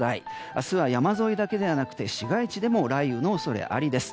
明日は山沿いだけではなくて市街地でも雷雨の恐れありです。